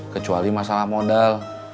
kecuali masalah modal